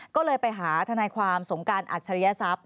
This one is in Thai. ก็เลยไปหาทนายความสงการอัจฉริยศัพย์